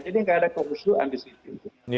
jadi tidak ada kehusuhan di situ